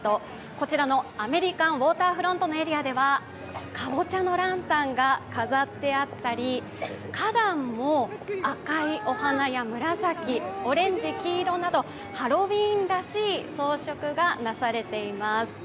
こちらのアメリカンウォーターフロントのエリアではかぼちゃのランタンが飾ってあったり、花壇も赤いお花や紫、オレンジ、黄色などハロウィーンらしい装飾がなされています。